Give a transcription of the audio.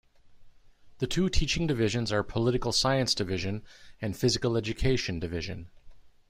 The two teaching divisions are Political Science Division and Physical Education Division.